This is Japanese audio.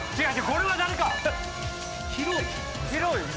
これは誰か。